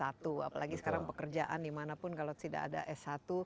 apalagi sekarang pekerjaan dimanapun kalau tidak ada s satu